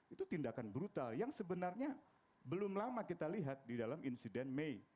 itu tindakan brutal yang sebenarnya belum lama kita lihat di dalam insiden mei